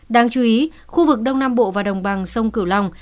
đáng chú ý khu vực đông nam bộ và đồng bằng